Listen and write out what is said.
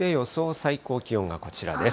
最高気温がこちらです。